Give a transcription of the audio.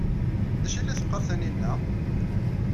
D acu ay la teqqar Taninna?